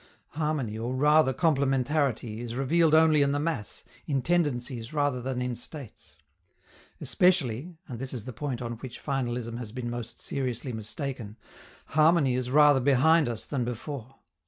Harmony, or rather "complementarity," is revealed only in the mass, in tendencies rather than in states. Especially (and this is the point on which finalism has been most seriously mistaken) harmony is rather behind us than before.